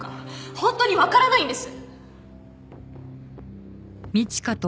本当にわからないんです！